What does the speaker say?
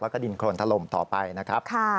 แล้วก็ดินโครนถล่มต่อไปนะครับ